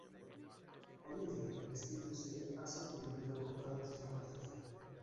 Hoy en día esta industria ha sobrevivido con gran dificultad.